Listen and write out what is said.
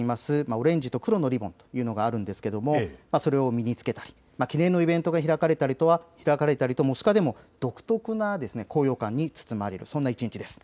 オレンジと黒のリボンというのがあるんですが、それを身に着けたり記念のイベントが開かれたりとモスクワでも独特な高揚感に包まれる、そんな一日です。